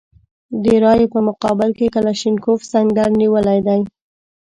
د رایې په مقابل کې کلاشینکوف سنګر نیولی دی.